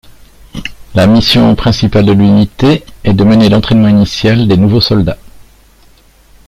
La mission principale de l'unité est de mener l'entraînement initial des nouveaux soldats.